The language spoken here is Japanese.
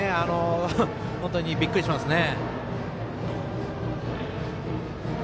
本当にびっくりしますね。